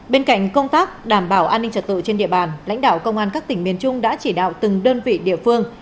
bên cạnh công tác đảm bảo an ninh trật tự trên địa bàn lãnh đạo công an các tỉnh miền trung đã chỉ đạo từng đơn vị địa phương